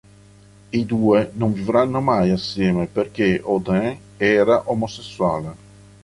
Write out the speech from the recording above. I due non vivranno mai assieme perché Auden era omosessuale.